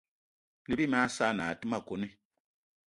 Ne bí mag saanì aa té ma kone.